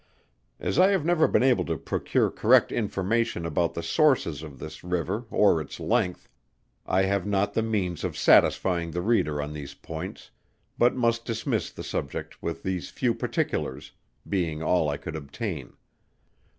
As I have never been able to procure correct information about the sources of this river or its length, I have not the means of satisfying the reader on these points, but must dismiss the subject with these few particulars, being all I could obtain.